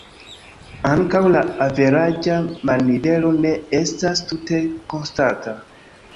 Ankaŭ la averaĝa marnivelo ne estas tute konstanta.